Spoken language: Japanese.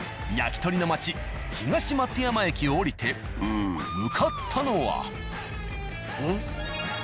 やきとりの街東松山駅を降りて向かったのは。